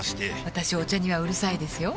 私お茶にはうるさいですよ